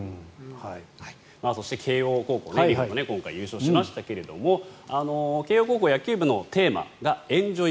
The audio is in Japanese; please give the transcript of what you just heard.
そして慶応高校今回優勝しましたけれども慶応高校野球部のテーマがエンジョイ